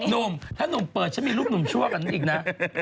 นุ่มถ้านุ่มเปิดจะมีรูปนุ่มชั่วกันอีกนะ